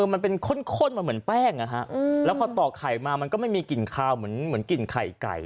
มันเป็นข้นมาเหมือนแป้งนะฮะแล้วพอต่อไข่มามันก็ไม่มีกลิ่นคาวเหมือนกลิ่นไข่ไก่